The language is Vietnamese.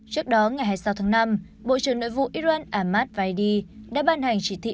trước đó ngày hai mươi sáu tháng năm bộ trưởng nội vụ iran ahmad và idi đã ban hành chỉ thị